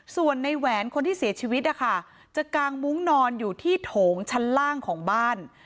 ส่วนในแหวนคนที่เสียชีวิตนะคะจะกางมุ้งนอนอยู่ที่โถงชั้นล่างของบ้าน